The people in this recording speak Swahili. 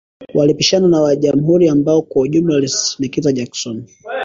Walipishana na wa Jamhuri ambao kwa ujumla walimshinikiza Jackson.